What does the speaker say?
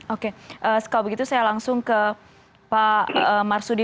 oke kalau begitu saya langsung ke pak marsudi